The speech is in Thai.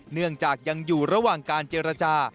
เนื่องจากยังอยู่ระหว่างการเจรจา